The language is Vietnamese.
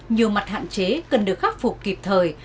nhiều mặt hạn chế cần được khắc phục kịp thời